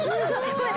ごめん。